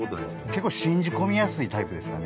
結構信じ込みやすいタイプですかね？